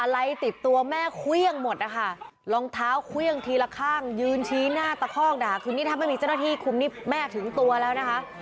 อะไรติดตัวแม่เครื่องหมดนะคะรองเท้าเครื่องทีละข้างยืนชี้หน้าตะคอกด่าคือนี่ถ้าไม่มีเจ้าหน้าที่คุมนี่แม่ถึงตัวแล้วนะคะ